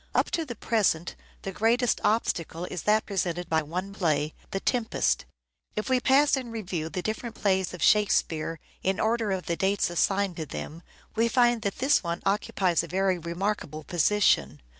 Up to the present, the greatest obstacle is that presented by one play, " The Tempest." If we pass in review the different plays of Shakespeare, in order of the dates assigned to them, we find that this one occupies a very remarkable position.